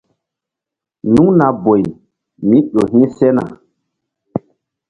Nuŋna boy mí ƴo gi ke sena.